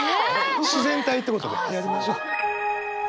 自然体ってことでやりましょう。